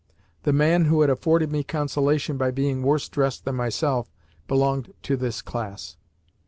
The man who had afforded me consolation by being worse dressed than myself belonged to this class.